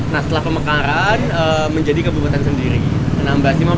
nah setelah pemekaran menjadi kabupaten sendiri